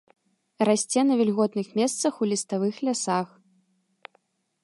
Расце на вільготных месцах у ліставых лясах.